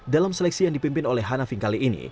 dalam seleksi yang dipimpin oleh hanafing kali ini